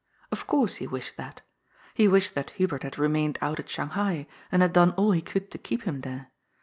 Of course he wished that He wished that Hubert had remained out at Shang hai, and had done all he could to keep him there.